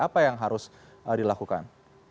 apa yang harus dilakukan